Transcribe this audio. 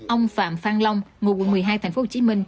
ông phạm phan long ngụ quận một mươi hai tp hcm